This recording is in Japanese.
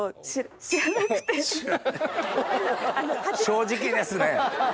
正直ですね。